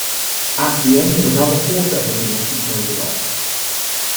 At the end of another quarter of a minute, he turns it off.